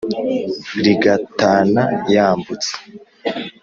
Rigatana yambutse.